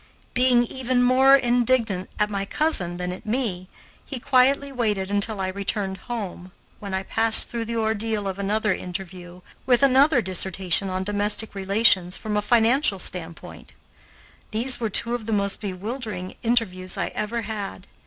Being even more indignant at my cousin than at me, he quietly waited until I returned home, when I passed through the ordeal of another interview, with another dissertation on domestic relations from a financial standpoint. These were two of the most bewildering interviews I ever had.